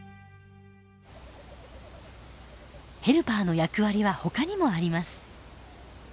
ヘルパーの役割はほかにもあります。